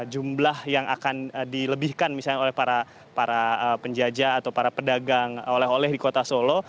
jumlah yang akan dilebihkan misalnya oleh para penjajah atau para pedagang oleh oleh di kota solo